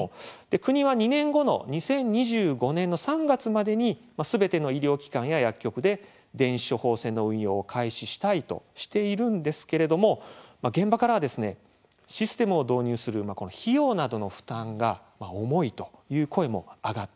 国は２年後の２０２５年の３月までにすべての医療機関や薬局で電子処方箋の運用を開始したいとしているんですけれども現場からはシステムを導入する費用などの負担が重いという声も上がっています。